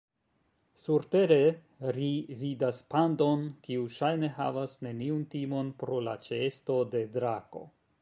Surtere, ri vidas pandon, kiu ŝajne havas neniun timon pro la ĉeesto de drako.